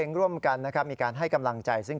นายยกรัฐมนตรีพบกับทัพนักกีฬาที่กลับมาจากโอลิมปิก๒๐๑๖